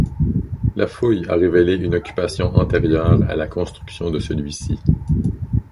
La fouille a révélé une occupation antérieure à la construction de celui-ci.